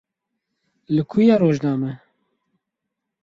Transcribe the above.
Li ku ye rojname?